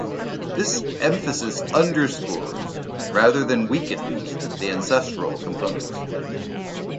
This emphasis underscores, rather than weakens, the ancestral component.